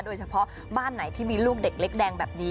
โดยเฉพาะบ้านไหนที่มีลูกเด็กเล็กแดงแบบนี้